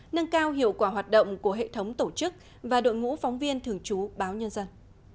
nâng cao hiệu quả hoạt động của hệ thống tổ chức và đội ngũ phóng viên thường trú báo nhân dân